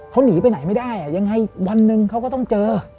เขาหนีไปไหนไม่ได้ยังไงวันหนึ่งเขาก็ต้องเจอ